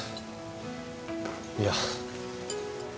いや。